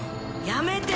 やめて！